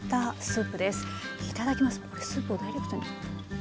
スープをダイレクトに。